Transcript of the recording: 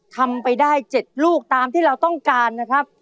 ทำไปได้๗ลูกตามที่เราต้องการนะครับ